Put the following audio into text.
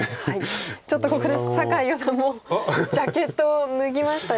ちょっとここで酒井四段もジャケットを脱ぎましたよ。